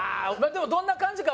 でもどんな感じか